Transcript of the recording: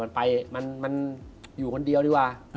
มันไปมันอยู่คนเดียวดีกว่า